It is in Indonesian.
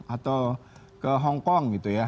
atau ke hongkong gitu ya